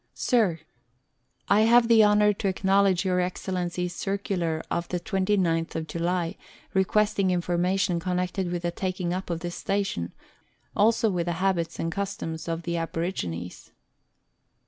I have the honour to acknowledge Your Excellency's circular of the 29th July, requesting information connected with the taking up of this station ; also with the habits and customs of the abo rigines.